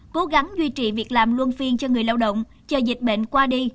cố gắng duy trì việc làm luôn phiên cho người lao động chờ dịch bệnh qua đi